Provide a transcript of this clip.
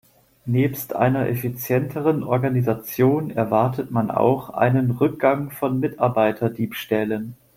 Nebst einer effizienteren Organisation erwartet man auch einen Rückgang von Mitarbeiterdiebstählen.